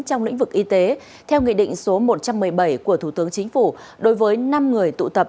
trong lĩnh vực y tế theo nghị định số một trăm một mươi bảy của thủ tướng chính phủ đối với năm người tụ tập